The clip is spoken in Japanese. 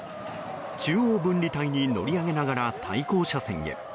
中央分離帯に乗り上げながら対向車線へ。